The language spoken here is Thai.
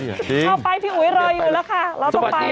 น้ำสิงน้ำบ่อมนี่